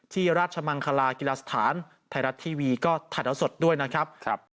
ราชมังคลากีฬาสถานไทยรัฐทีวีก็ถ่ายเท้าสดด้วยนะครับ